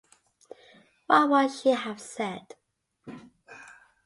What would she have said?